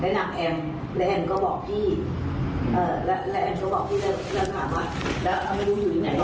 แล้วตอนนี้วาวไม่รับสายแล้ว๘๒เป็นเหรียญ